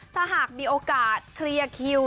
ถ้าหากมีโอกาสเคลียร์คิว